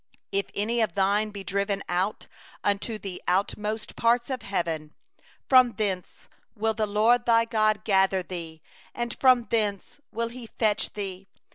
4If any of thine that are dispersed be in the uttermost parts of heaven, from thence will the LORD thy God gather thee, and from thence will He fetch thee.